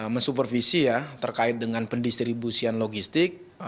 mensupervisi ya terkait dengan pendistribusian logistik